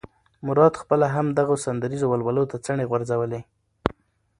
مراد خپله هم دغو سندریزو ولولو ته څڼې غورځولې.